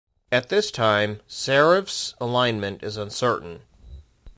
At this time, Seraph's alignment is uncertain.